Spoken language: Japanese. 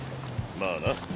まあな。